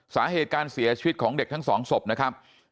สาเหตุการเสียชีวิตของเด็กทั้งสองศพนะครับ